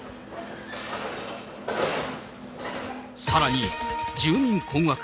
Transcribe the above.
さらに、住民困惑。